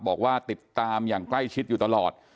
บอกว่าติดตามอย่างใกล้ชิดอยู่ตลอด